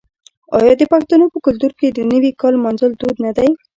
آیا د پښتنو په کلتور کې د نوي کال لمانځل دود نه دی؟